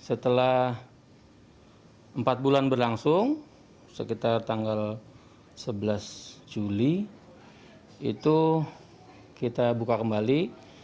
setelah empat bulan berlangsung sekitar tanggal sebelas juli itu kita buka kembali